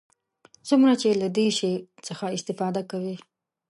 څومره چې له دې شي څخه استفاده کوي.